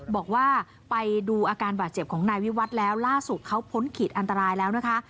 บอกว่าไปดูอาการบาดเจ็บของนายวิวัตรแล้วล่าสุดเขาพ้นขีดอันตรายแล้วนะคะ